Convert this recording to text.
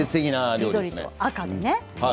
緑と赤でね。